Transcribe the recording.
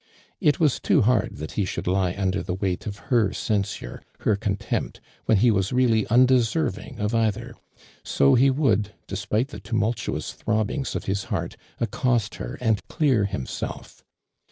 It was too hard that he should lie under thfr weight of her censure, her contempt, when he was really undesei ving of either, so he would, despite the tumultuous throbbings of his heart, accost her and clear himself.